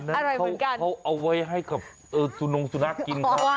อันนั้นเขาเอาไว้ให้กับสุนุกสุนักกินค่ะ